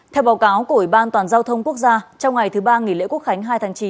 theo báo cáo của ủy ban toàn giao thông quốc gia trong ngày thứ ba nghỉ lễ quốc khánh hai tháng chín